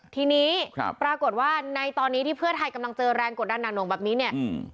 ทีนี้ครับปรากฏว่าในตอนนี้ที่เพื่อไทยกำลังเจอแรงกดดันหนักหน่งแบบนี้เนี่ย